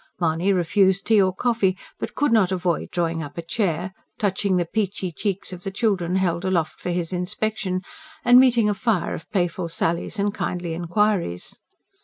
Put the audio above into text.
Mahony refused tea or coffee; but could not avoid drawing up a chair, touching the peachy cheeks of the children held aloft for his inspection, and meeting a fire of playful sallies and kindly inquiries.